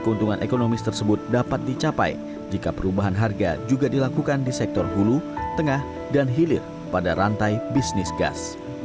keuntungan ekonomis tersebut dapat dicapai jika perubahan harga juga dilakukan di sektor hulu tengah dan hilir pada rantai bisnis gas